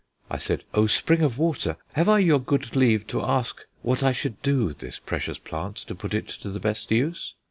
I said, "O Spring of water, have I your good leave to ask what I should do with this precious plant to put it to the best use?"